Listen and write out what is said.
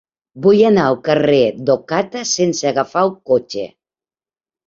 Vull anar al carrer d'Ocata sense agafar el cotxe.